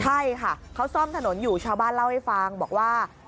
ใช่ค่ะเขาซ่อมถนนอยู่ชาวบ้านเล่าให้ฟังบอกว่า